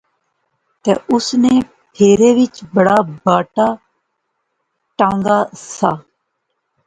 تہ اس نے پیریں وچ بڑا باٹا ٹہنگا سا